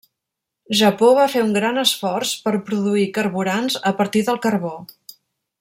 Japó va fer un gran esforç per produir carburants a partir del carbó.